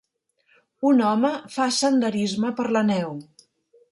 Un home fa senderisme per la neu.